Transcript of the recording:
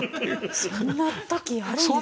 そんな時あるんですか？